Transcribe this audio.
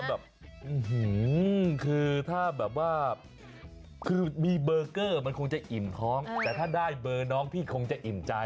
แบบคือถ้าแบบว่าคือมีเบอร์เกอร์มันคงจะอิ่มท้องแต่ถ้าได้เบอร์น้องพี่คงจะอิ่มใจ